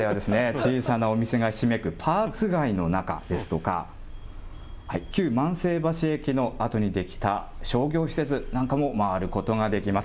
小さなお店がひしめくパーツ街ですとか、旧万世橋駅のあとに出来た、商業施設なんかも回ることができます。